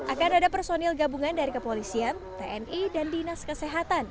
akan ada personil gabungan dari kepolisian tni dan dinas kesehatan